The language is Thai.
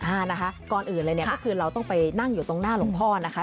อ่านะคะก่อนอื่นเลยเนี่ยก็คือเราต้องไปนั่งอยู่ตรงหน้าหลวงพ่อนะคะ